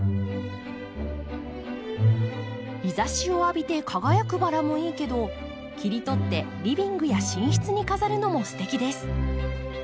日ざしを浴びて輝くバラもいいけど切り取ってリビングや寝室に飾るのもすてきです。